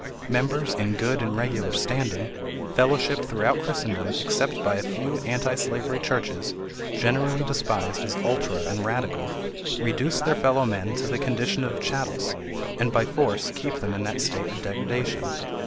Members 'in good and regular standing,' fellowshipped throughout Christendom except by a few anti slavery churches generally despised as ultra and radical, reduce their fellow men to the condition of chattels, and by force keep them in that state of degradation.